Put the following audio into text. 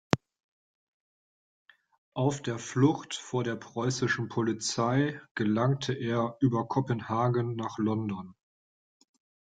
Auf der Flucht vor der preußischen Polizei gelangte er über Kopenhagen nach London.